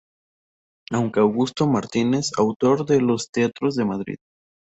Aunque Augusto Martínez, autor de "Los teatros de Madrid.